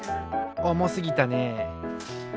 おもすぎたね。